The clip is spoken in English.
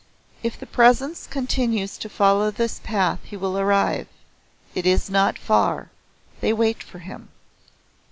"If the Presence continues to follow this path he will arrive. It is not far. They wait for him."